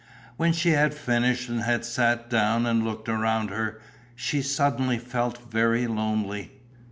When she had finished and had sat down and looked around her, she suddenly felt very lonely.